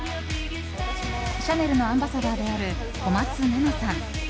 シャネルのアンバサダーである小松菜奈さん